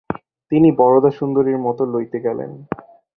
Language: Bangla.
তিনি বরদাসুন্দরীর মত লইতে গেলেন।